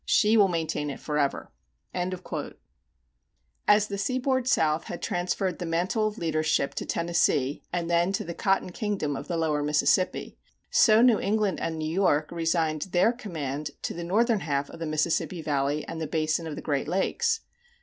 She will maintain it forever. As the Seaboard South had transferred the mantle of leadership to Tennessee and then to the Cotton Kingdom of the Lower Mississippi, so New England and New York resigned their command to the northern half of the Mississippi Valley and the basin of the Great Lakes.